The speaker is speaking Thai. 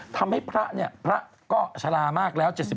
พระเนี่ยพระก็ชะลามากแล้ว